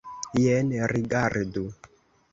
Jen rigardu!